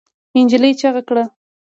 نجلۍ چیغه کړه.